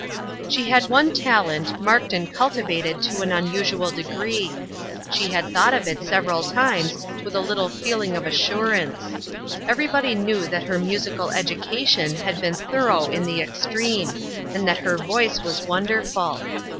She had one talent, marked and cultivated to an unusual degree. She had thought of it several times with a little feeling of assur ance. Everybody knew that her musical education had been thorough in the extreme, and that her voice was wonderful.